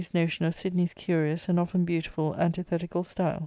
A.*s notion of Sidney's curious and often beauti ful antithetical style.